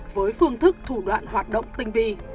với phương thức thủ đoạn hoạt động tinh vi